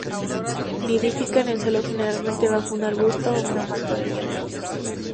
Nidifica en el suelo generalmente bajo un arbusto o una mata de hierba.